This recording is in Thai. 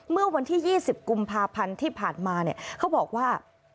เมื่อวันที่๒๐กุมภาพันธ์ที่ผ่านมาเนี่ยเขาบอกว่า